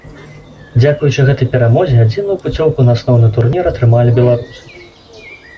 Дзякуючы гэтай перамозе адзіную пуцёўку на асноўны турнір атрымалі беларусы.